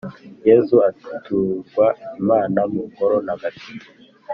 yezu aturwa imana mu ngoro ntagatifu